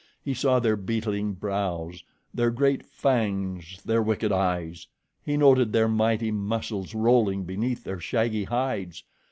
He saw their beetling brows, their great fangs, their wicked eyes. He noted their mighty muscles rolling beneath their shaggy hides.